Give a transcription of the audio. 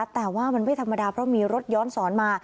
แต่ว่ามันไม่ธรรมดาเพราะมีรถย้อนสอนมา